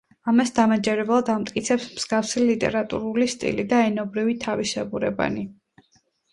ამას დამაჯერებლად ამტკიცებს მსგავსი ლიტერატურული სტილი და ენობრივი თავისებურებანი.